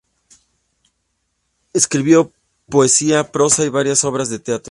Escribió poesía, prosa y varias obras de teatro.